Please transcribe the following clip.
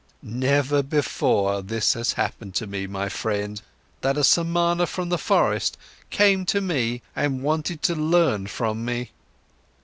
"Never before this has happened to me, my friend, that a Samana from the forest came to me and wanted to learn from me!